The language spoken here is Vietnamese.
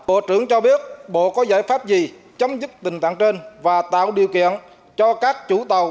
bộ trưởng cho biết bộ có giải pháp gì chấm dứt tình trạng trên và tạo điều kiện cho các chủ tàu